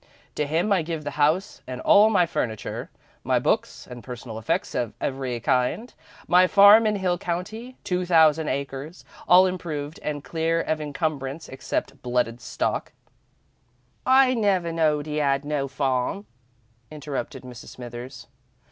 To him I give the house and all my furniture, my books and personal effects of every kind, my farm in Hill County, two thousand acres, all improved and clear of incumbrance, except blooded stock, " "I never knowed 'e 'ad no farm," interrupted Mrs. Smithers.